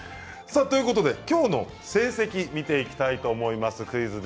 今日の成績を見ていきたいと思います。